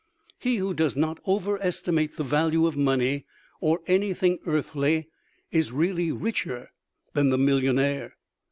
He who does not overestimate the value of money or anything earthly is really richer than the millionaire.